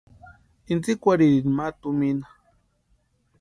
Intsïkwarhirini ma tumina.